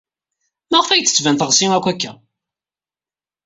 Maɣef ay d-tettban teɣsi akk akka?